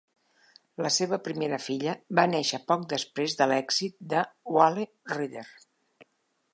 La seva primera filla va néixer poc després de l'èxit de "Whale Rider".